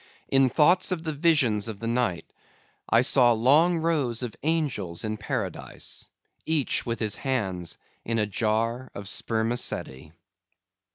In thoughts of the visions of the night, I saw long rows of angels in paradise, each with his hands in a jar of spermaceti.